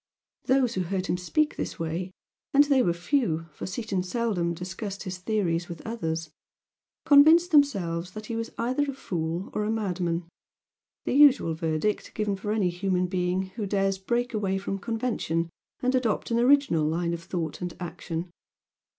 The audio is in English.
Those who heard him speak in this way (and they were few, for Seaton seldom discussed his theories with others) convinced themselves that he was either a fool or a madman, the usual verdict given for any human being who dares break away from convention and adopt an original line of thought and action.